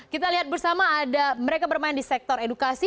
kita lihat bersama ada mereka bermain di sektor edukasi